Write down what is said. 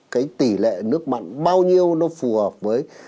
cái tỷ lệ nước mặn bao nhiêu nó phù hợp với